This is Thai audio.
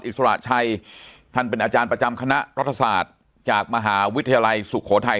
อิสระชัยท่านเป็นอาจารย์ประจำคณะรัฐศาสตร์จากมหาวิทยาลัยสุโขทัย